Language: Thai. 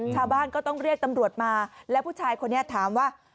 ชาวบ้านก็ต้องเรียกตำรวจมาแล้วผู้ชายคนนี้ถามว่า